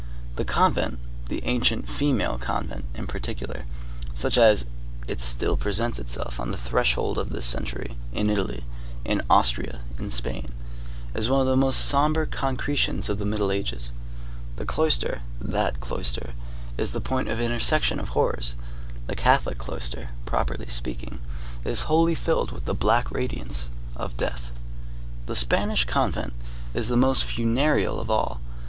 The convent—the ancient female convent in particular, such as it still presents itself on the threshold of this century, in Italy, in Austria, in Spain—is one of the most sombre concretions of the Middle Ages. The cloister, that cloister, is the point of intersection of horrors. The Catholic cloister, properly speaking, is wholly filled with the black radiance of death. The Spanish convent is the most funereal of all.